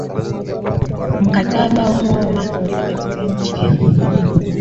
mkataba huo unatumika katika nchi themanini